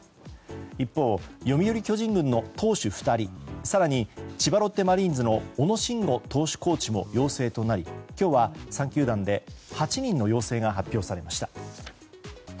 一方、読売巨人軍の投手２人更に千葉ロッテマリーンズの小野晋吾投手コーチも陽性となり今日は３球団で８人の陽性が発表されました。